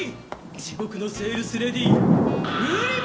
地獄のセールスレディ。